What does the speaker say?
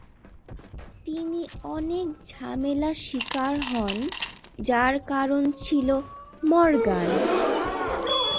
তিনি অনেক ঝামেলার শিকার হন যার কারণ ছিল মরগান।